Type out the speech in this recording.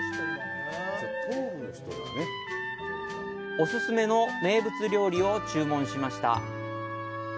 オススメの名物料理を注文しました。